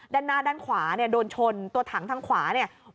ด้านหน้าด้านขวาโดนชนตัวถังทางขวา